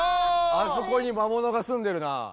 あそこにまものがすんでるな。